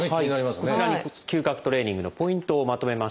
こちらに嗅覚トレーニングのポイントをまとめました。